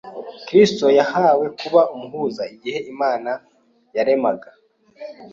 Kristo yahawe kuba umuhuza igihe Imana yaremaga,